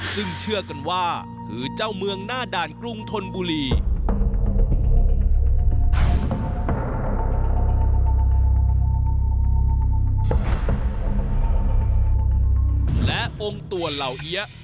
ซึ่งเชื่อกันว่าคือเจ้าเมืองหน้าด่านกรุงธนบุรี